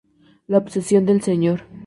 La obsesión del Sr.